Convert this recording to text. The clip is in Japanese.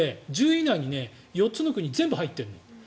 １０位以内に４つの国、全部入ってるのよ。